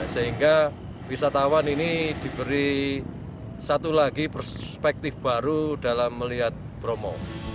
sehingga wisatawan ini diberi satu lagi perspektif baru dalam melihat bromo